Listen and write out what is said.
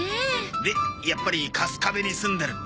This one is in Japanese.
でやっぱり春我部に住んでるって？